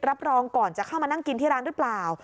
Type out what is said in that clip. รับรองก่อนจะเข้ามานั่งกินที่ร้านหรือเปล่า